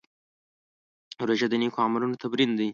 روژه د نېکو عملونو تمرین دی.